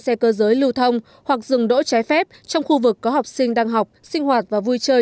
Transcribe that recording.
xe cơ giới lưu thông hoặc dừng đỗ trái phép trong khu vực có học sinh đang học sinh hoạt và vui chơi